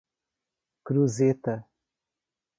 Cruzeta